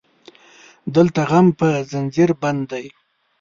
دلته غم په زنځير بند دی